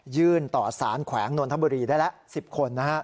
ยื่นต่อสารแขวงนวลธรรมบุรีได้แล้ว๑๐คน